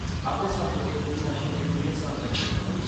აღმოსავლეთ კედელზე დაშენებულია სამრეკლო.